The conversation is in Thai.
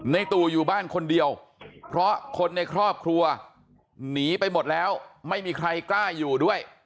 ตู่อยู่บ้านคนเดียวเพราะคนในครอบครัวหนีไปหมดแล้วไม่มีใครกล้าอยู่ด้วย